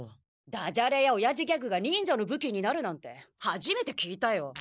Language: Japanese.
ダジャレやおやじギャグが忍者の武器になるなんて初めて聞いたよ。